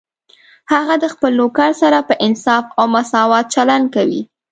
هغه د خپل نوکر سره په انصاف او مساوات چلند کوي